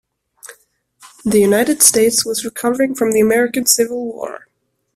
The United States was recovering from the American Civil War.